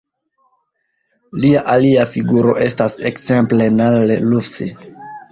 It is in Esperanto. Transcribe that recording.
Lia alia figuro estas ekzemple Nalle Lufs.